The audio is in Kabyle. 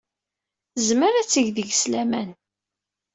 Tezmer ad teg deg-s laman.